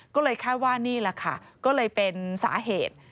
ก็เลยคาดว่านี่แหละค่ะก็เลยเป็นสาเหตุ